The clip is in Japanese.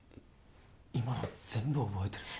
今の全部覚えてるの？